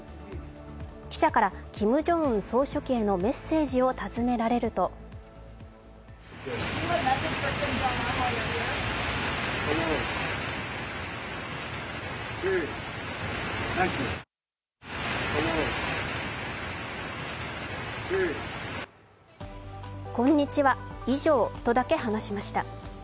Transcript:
記者から、キム・ジョンウン総書記へのメッセージを尋ねられると「こんにちは、以上」とだけ話しました。